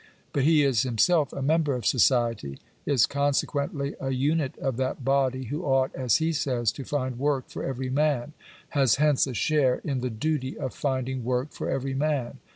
But he is himself a member of society — is consequently a unit of that body who ought, as he says, to find work for every man — has hence a share in the duty of finding work for every man.